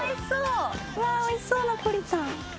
おいしそうナポリタン。